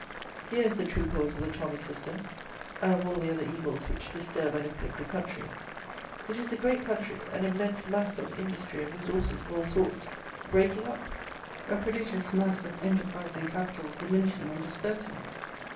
Here is the true cause of the tommy system, and of all the other evils which disturb and afflict the country. It is a great country; an immense mass of industry and resources of all sorts, breaking up; a prodigious mass of enterprise and capital diminishing and dispersing.